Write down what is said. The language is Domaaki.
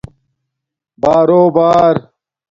بارݸ بݳر